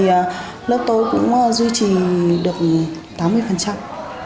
thì lớp tôi cũng duy trì được tám mươi